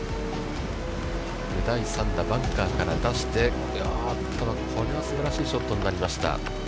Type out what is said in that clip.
第３打、バンカーから出して、これはすばらしいショットになりました。